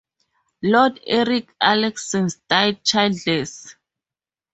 Lord Eric Axelsson died childless.